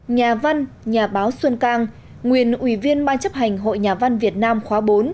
nhà văn nhà báo xuân cang nguyên ủy viên ban chấp hành hội nhà văn việt nam khóa bốn